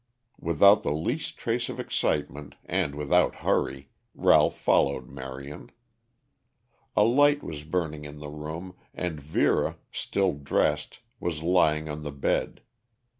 Without the least trace of excitement and without hurry, Ralph followed Marion. A light was burning in the room and Vera, still dressed, was lying on the bed.